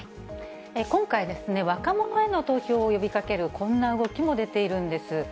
今回、若者への投票を呼びかける、こんな動きも出ているんです。